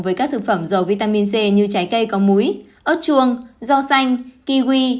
với các thực phẩm dầu vitamin c như trái cây có múi ớt chuông rau xanh kiwi